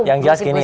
yang jelas gini